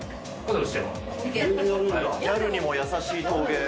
ギャルにも優しい陶芸。